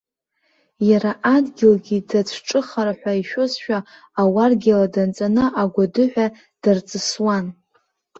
Иара адгьылгьы дацәҿыхар ҳәа ишәозшәа ауаргьала данҵаны агәадыҳәа дарҵысуан.